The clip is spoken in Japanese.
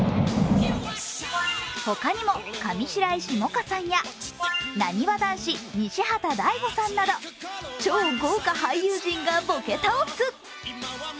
他にも上白石萌歌さんやなにわ男子・西畑大吾さんなど超豪華俳優陣がボケ倒す。